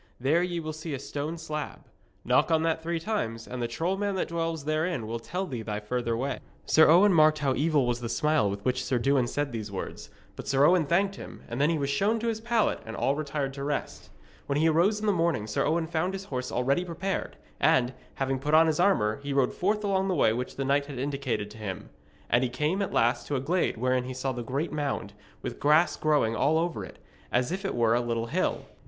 There ye will see a stone slab. Knock on that three times, and the troll man that dwells therein will tell thee thy further way.' Sir Owen marked how evil was the smile with which Sir Dewin said these words; but Sir Owen thanked him, and then he was shown to his pallet and all retired to rest. When he arose in the morning Sir Owen found his horse already prepared, and, having put on his armour, he rode forth along the way which the knight had indicated to him. And he came at last to the glade wherein he saw the great mound, with grass growing all over it, as if it were a little hill.